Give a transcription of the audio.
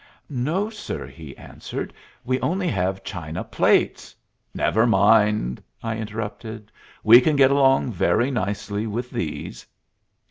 "No, sir," he answered. "We only have china plates " "Never mind," I interrupted. "We can get along very nicely with these."